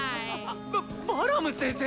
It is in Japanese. ババラム先生。